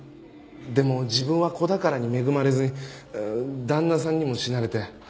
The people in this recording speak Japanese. でも自分は子宝に恵まれず旦那さんにも死なれて。